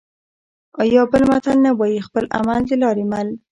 آیا بل متل نه وايي: خپل عمل د لارې مل؟